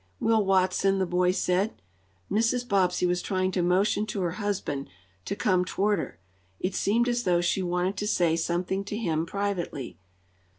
"Will Watson," the boy said. Mrs. Bobbsey was trying to motion to her husband to come toward her. It seemed as though she wanted to say something to him privately.